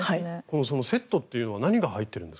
このセットっていうのは何が入ってるんですか？